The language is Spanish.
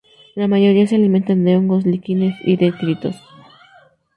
La mayoría se alimentan de hongos, líquenes y detritos.